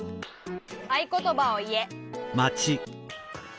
「あいことばをいえ」。